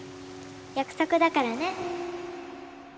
約束だからね。